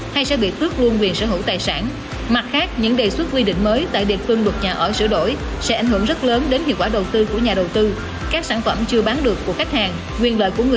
thì trong cái cơ cấu giá bán để tạo ra một cái sản phẩm trà bán ở thị trường